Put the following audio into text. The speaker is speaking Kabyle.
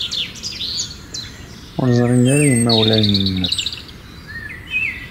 Ur ẓrin ara yimawlan-nnem?